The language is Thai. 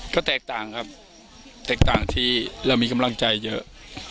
ก็แตกต่างครับแตกต่างที่เรามีกำลังใจเยอะ